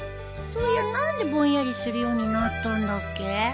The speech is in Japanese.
そういや何でぼんやりするようになったんだっけ。